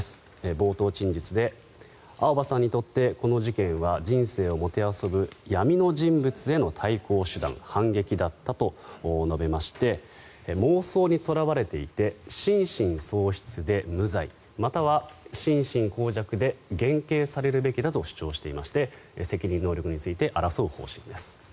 冒頭陳述で青葉さんにとってこの事件は人生をもてあそぶ闇の人物への対抗手段反撃だったと述べまして妄想にとらわれていて心神喪失で無罪または心神耗弱で減軽されるべきだと主張していまして責任能力について争う方針です。